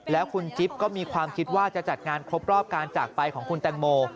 แล้วคุณจิ๊บก็มีความคิดว่าจะจัดงานครบรอบการจากไปของคุณแตงโม